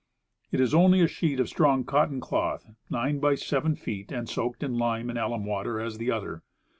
It is only a sheet of strong cotton cloth 9x7 feet, and soaked in lime and alum water as the other.